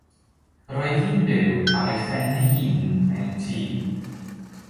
Roedd hi'n byw ar ei phen ei hun mewn tŷ.